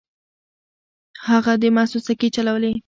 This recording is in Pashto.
هغه د مسو سکې چلولې.